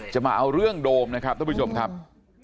จะมาเอาเรื่องโดมนะครับผู้ชมทำ